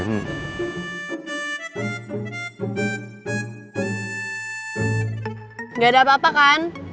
enggak ada apa apa kan